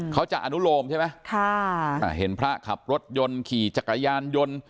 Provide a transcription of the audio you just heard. เขาจะอนุโลมใช่ไหมค่ะอ่าเห็นพระขับรถยนต์ขี่จักรยานยนต์